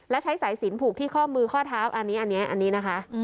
และใช้สายสินผูกที่ข้อมือข้อเท้าอันนี้อันนี้นะคะ